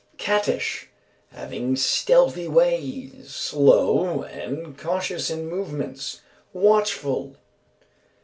Cattish. Having stealthy ways, slow and cautious in movements, watchful.